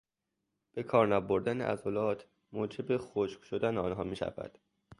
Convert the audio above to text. به کار نبردن عضلات موجب خشک شدن آنها میشود.